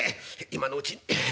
「今のうち。